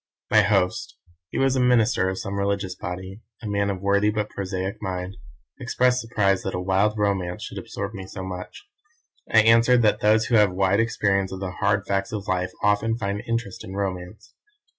My host he was a minister of some religious body, a man of worthy but prosaic mind expressed surprise that a 'wild romance' should absorb me so much. I answered that those who have wide experience of the hard facts of life often find interest in romance.